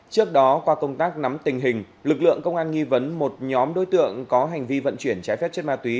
trước đó qua công tác nắm tình hình lực lượng công an nghi vấn một nhóm đối tượng có hành vi vận chuyển trái phép chất ma túy